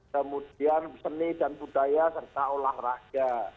kemudian seni dan budaya serta olahraga